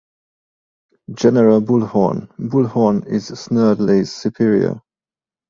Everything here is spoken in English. General Bullhorn: Bullhorn is Snerdley's superior.